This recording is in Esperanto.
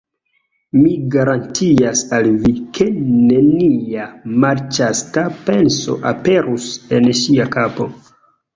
Mi garantias al vi, ke nenia malĉasta penso aperus en ŝia kapo.